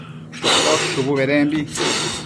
shocosh shubu bedembi